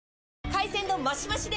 海鮮丼マシマシで！